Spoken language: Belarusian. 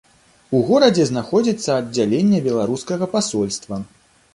У горадзе знаходзіцца аддзяленне беларускага пасольства.